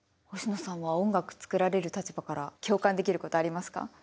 星野さんは音楽作られる立場から共感できることありますか？